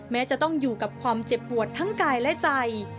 แม้จะต้องอยู่กับความเจ็บปวดทั้งกายและใจ